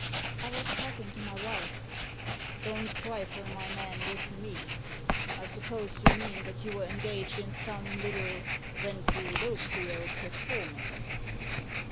I was talking to my wife." "Don't trifle, my man, with me. I suppose you mean that you were engaged in some little ventrilo quial performance?"